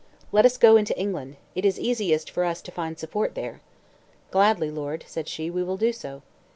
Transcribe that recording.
Let us go into England; it is easiest for us to find support there." "Gladly, lord," said she, "we will do so."